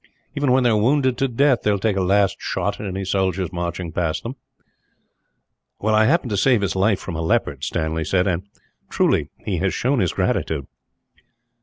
Even when they are wounded to death, they will take a last shot at any soldiers marching past them." "I happened to save his life from a leopard," Stanley said, "and, truly, he has shown his gratitude."